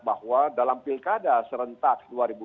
bahwa dalam pilkada serentak